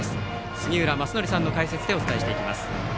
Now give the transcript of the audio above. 杉浦正則さんの解説でお伝えしていきます。